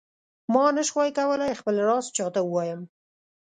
ما نه شو کولای خپل راز چاته ووایم.